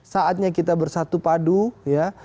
saatnya kita bersatu padu untuk mendukung pemerintah